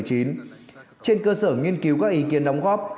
trên cơ sở nghiên cứu các ý kiến đóng góp